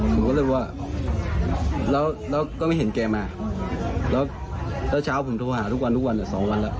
ผมก็เลยว่าเราก็ไม่เห็นแกมาแล้วเช้าผมโทรหาทุกวัน๒วันแล้ว